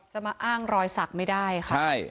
จะมาอ้างรอยศักดิ์ไม่ได้ครับ